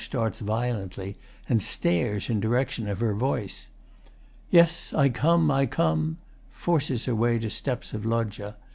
starts violently and stares in direction of her voice.] Yes, I come, I come! [Forces her way to steps of Loggia.